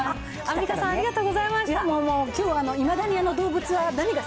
ギャル曽根さん、ありがとうございました。